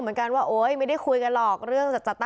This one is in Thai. สมบัติการพลังมีชาติรักษ์ได้หรือเปล่า